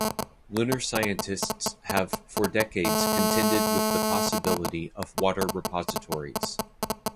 Lunar scientists have for decades contended with the possibility of water repositories.